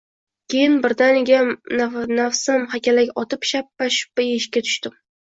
Keyin birdaniga nafsim hakalak otib, shappa-shuppa yeyishga tushdim